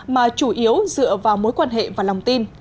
mà chủ yếu dựa vào mối quan hệ và lòng tin